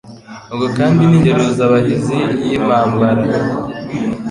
Ubwo kandi ni Ingeruzabahizi y' impambara